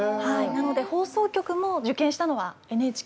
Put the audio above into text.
なので放送局も受験したのはＮＨＫだけでした。